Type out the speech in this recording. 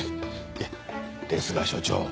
いやですが署長。